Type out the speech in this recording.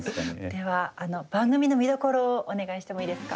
では番組の見どころをお願いしてもいいですか？